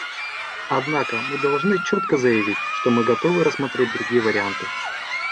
Однако мы должны четко заявить, что мы готовы рассмотреть другие варианты.